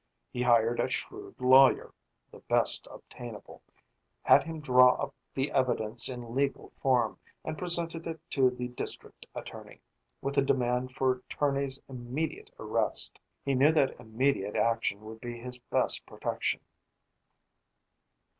He hired a shrewd lawyer the best obtainable had him draw up the evidence in legal form, and presented it to the district attorney, with the demand for Tournay's immediate arrest. He knew that immediate action would be his best protection.